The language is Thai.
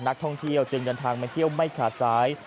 นักท่องเที่ยวจึงเดินทางมาเที่ยวไม่ขาดสาย